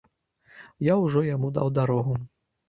Я ўжо яму даў дарогу.